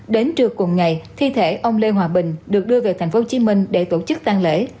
đến trưa cùng ngày thi thể ông lê hòa bình được đưa về tp hcm để tổ chức tan lễ